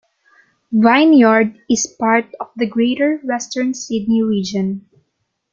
Vineyard is part of the Greater Western Sydney region.